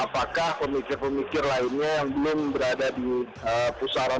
apakah pemikir pemikir lainnya yang belum berada di pusaran